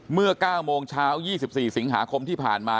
เมื่อ๙โมงเช้า๒๔สิงหาคมที่ผ่านมา